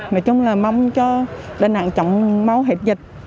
nói chung là mong cho đà nẵng chọn máu hết dịch